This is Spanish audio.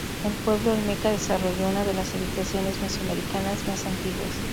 El pueblo olmeca desarrolló una de las civilizaciones mesoamericanas más antiguas.